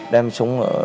đem súng ở